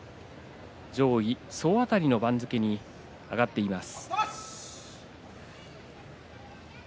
上位総当たりの番付に上がっています。